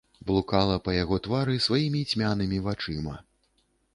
Блукала па яго твары сваімі цьмянымі вачыма.